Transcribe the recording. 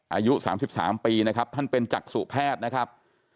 อายุ๓๓ปีนะครับท่านเป็นจักษุแพทย์นะครับ